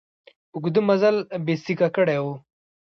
اوږده مزل بېسېکه کړی و.